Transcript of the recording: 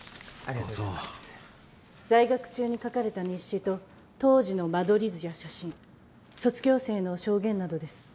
在学中に書かれた日誌と当時の間取り図や写真卒業生の証言などです。